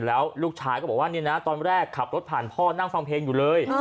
แล้วลูกชายก็บอกว่าเนี่ยนะตอนแรกขับรถผ่านพ่อนั่งฟังเพลงอยู่เลย